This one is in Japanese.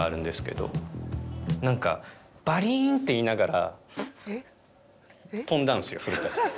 何か。って言いながら飛んだんすよ古田さん。